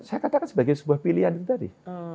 saya katakan sebagai sebuah pilihan itu tadi